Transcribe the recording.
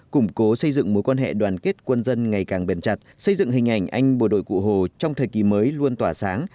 củng cố xây dựng mối quan hệ đoàn kết quân dân ngày càng bền chặt xây dựng hình ảnh anh bộ đội cụ hồ trong thời kỳ mới luôn tỏa sáng